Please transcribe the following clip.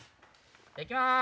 行きます。